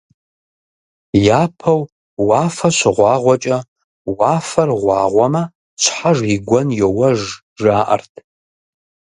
Япэу уафэ щыгъуагъуэкӀэ, «Уафэр гъуагъуэмэ, щхьэж и гуэн йоуэж» жаӀэрт.